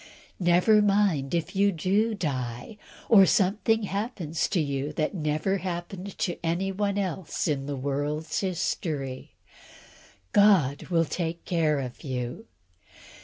Never mind if you do die, or something happens to you that never happened to anyone else in the world's history; God will take care of you.